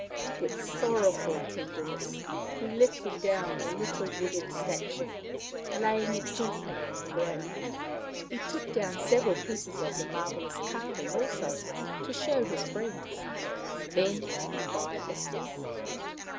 With sorrowful tenderness he lifted down the little wooden statue, laying it gently on the ground. He took down several pieces of the marvellous carving also to show his friends. Then he fired the house.